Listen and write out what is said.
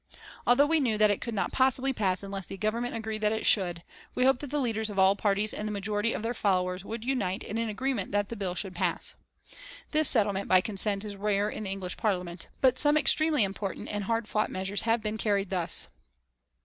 Although we knew that it could not possibly pass unless the Government agreed that it should, we hoped that the leaders of all parties and the majority of their followers would unite in an agreement that the bill should pass. This settlement by consent is rare in the English Parliament, but some extremely important and hard fought measures have been carried thus.